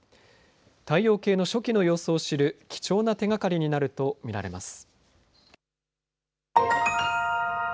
太陽系の初期の様子を知る貴重な手がかりになると見られます。